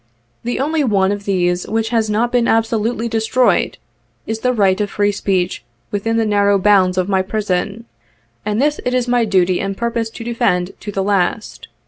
The only one of these which has not been absolutely destroyed, is the right of free speech within the narrow bounds of my prison, and this it is my duty and purpose to defend to the last.